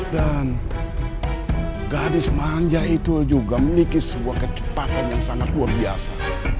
dan gadis manja itu juga memiliki sebuah kecepatan yang sangat luar biasa